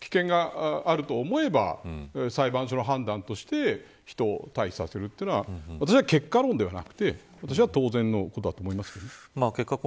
だから、危険があると思えば裁判所の判断として人を退避させるというのは私は結果論ではなくて当然のことだと思います。